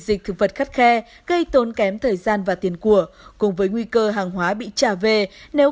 dịch thực vật khắt khe gây tốn kém thời gian và tiền của cùng với nguy cơ hàng hóa bị trả về nếu